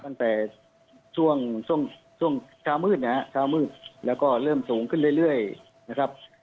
ตั้งแต่ช่วงช้ามืดแล้วก็เริ่มสูงขึ้นเรื่อยนะครับ